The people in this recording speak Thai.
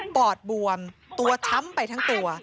อดบวมตัวช้ำไปทั้งตัว